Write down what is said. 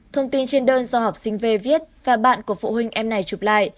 thông tin trên đơn do học sinh v viết và bạn của phụ huynh em này chụp lại